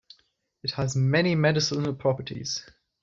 It has many medicinal properties.